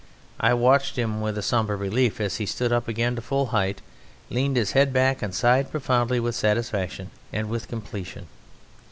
I watched him with a sombre relief as he stood up again to full height, leaned his head back, and sighed profoundly with satisfaction and with completion.